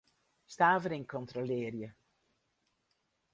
Stavering kontrolearje.